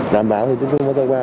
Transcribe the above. đảm bảo thì chúng tôi mới tới qua